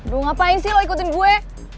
gue ngapain sih lo ikutin gue